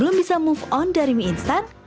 belum bisa move on dari mie instan